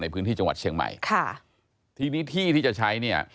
ในพื้นที่จังหวัดเชียงใหม่ค่ะทีนี้ที่ที่จะใช้เนี่ย